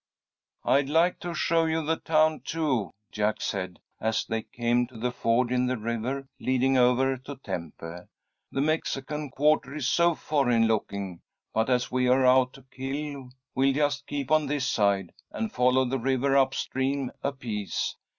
"I'd like to show you the town, too," Jack said, as they came to the ford in the river leading over to Tempe. "The Mexican quarter is so foreign looking. But, as we're out to kill, we'll just keep on this side, and follow the river up stream a piece.